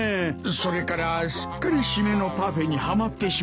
それからすっかり締めのパフェにはまってしまったんだ。